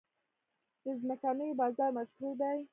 د څمکنیو بازار مشهور دی